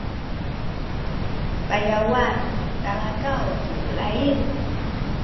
payawan talakaw ku laying